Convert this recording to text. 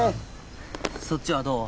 そっちはどう？